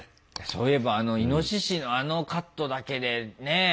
そういえばあのイノシシのあのカットだけでねえ？